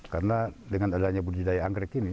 karena dengan adanya budidaya angkrik ini